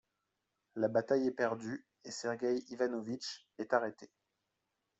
La bataille est perdue et Sergueï Ivanovitch est arrêté.